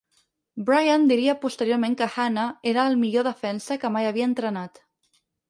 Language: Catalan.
Bryant diria posteriorment que Hannah era el millor defensa que mai havia entrenat.